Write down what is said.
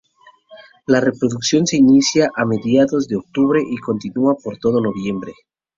La reproducción se inicia a mediados de octubre y continúa por todo noviembre.